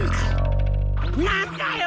なんだよ！